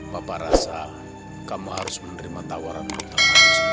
bapak rasa kamu harus menerima tawaran dari dokter